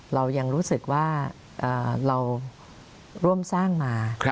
เรายังรู้สึกว่าเราร่วมสร้างมา